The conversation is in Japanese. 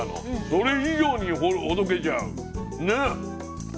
それ以上にほどけちゃうね。